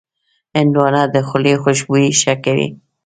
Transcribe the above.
هندوانه د خولې خوشبويي ښه کوي.